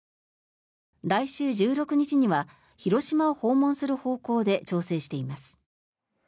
来週１６日には広島を訪問する方向で調整しています。